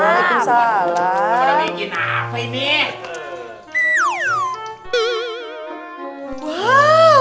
kamu udah bikin apa ini